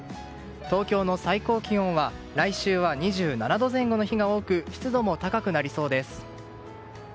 東京の最高気温は来週は２７度前後の日が多く湿度も高くなりそうです。